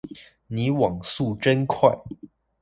你網速真快